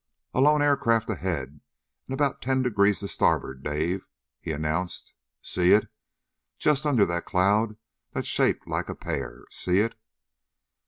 "A lone aircraft ahead and about ten degrees to starboard, Dave!" he announced. "See it? Just under that cloud that's shaped like a pear. See it?